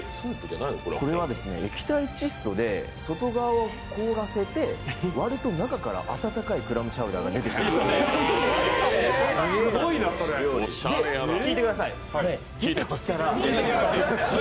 これは液体窒素で外側を凍らせて、割ると中から、温かいクラムチャウダーが出てくる、聞いてください。